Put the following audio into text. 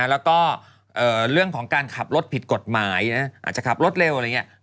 แล้วก็เรื่องของการขับรถผิดกฎหมายอาจจะขับรถเร็วอะไรอย่างนี้